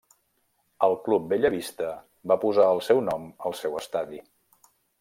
El Club Bella Vista va posar el seu nom al seu estadi.